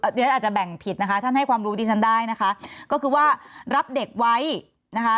เดี๋ยวฉันอาจจะแบ่งผิดนะคะท่านให้ความรู้ดิฉันได้นะคะก็คือว่ารับเด็กไว้นะคะ